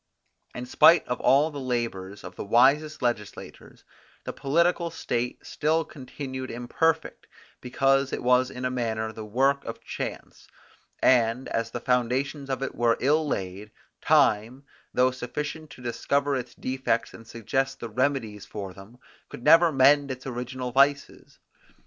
In spite of all the labours of the wisest legislators, the political state still continued imperfect, because it was in a manner the work of chance; and, as the foundations of it were ill laid, time, though sufficient to discover its defects and suggest the remedies for them, could never mend its original vices.